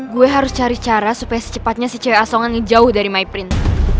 gue harus cari cara supaya secepatnya si cewek asongan jauh dari myprint